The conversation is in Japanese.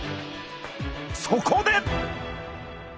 そこで！